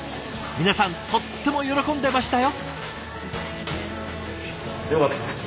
皆さんとっても喜んでましたよ。